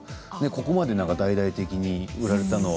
ここまで大々的に売られたのは。